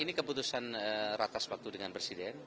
ini keputusan ratas waktu dengan presiden